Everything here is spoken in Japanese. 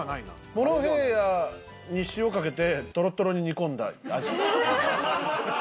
モロヘイヤに塩かけて、トロトロに煮込んだ味。